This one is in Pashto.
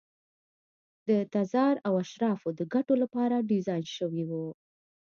د تزار او اشرافو د ګټو لپاره ډیزاین شوي وو.